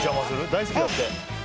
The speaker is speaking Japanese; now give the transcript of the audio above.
大好きだって。